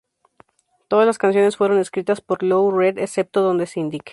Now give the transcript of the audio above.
Todas las canciones fueron escritas por Lou Reed excepto donde se indique.